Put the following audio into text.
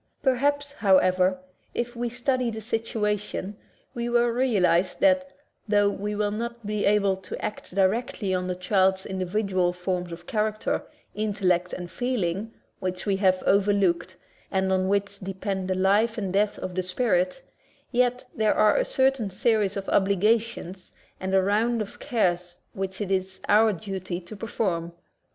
Perhaps, however, if we study the situation, we will realize that, tho we may not be able to act directly on the child's individual forms of character, intellect, and feeling, which we have overlooked and on which depend the life and death of the spirit; yet there are a certain series of obligations and a round of cares which it is our duty to perform.